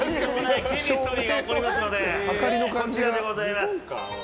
こちらでございます。